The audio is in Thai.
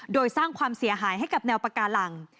โดยสร้างความเสียหายให้กับแนวปากาลัง